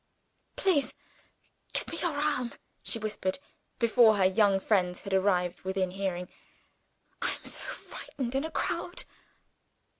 "Please give me your arm," she whispered, before her young friends had arrived within hearing. "I am so frightened in a crowd!"